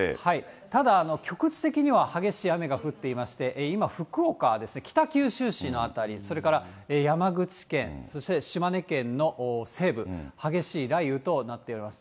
ただ、局地的には激しい雨が降っていまして、今、福岡ですね、北九州市の辺り、それから山口県、そして島根県の西部、激しい雷雨となっております。